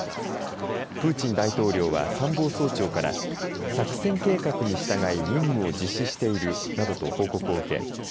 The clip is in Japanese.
プーチン大統領は参謀総長から作戦計画に従い任務を実施しているなどと報告を受け